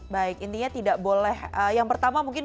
baik intinya tidak boleh yang pertama mungkin